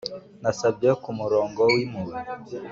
nasabye kumurongo w'impuhwe